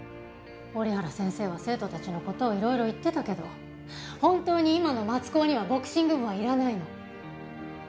折原先生は生徒たちの事をいろいろ言ってたけど本当に今の松高にはボクシング部はいらないの。